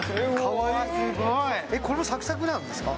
これ、サクサクなんですか？